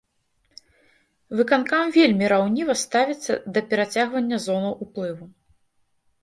Выканкам вельмі раўніва ставіцца да перацягвання зонаў уплыву.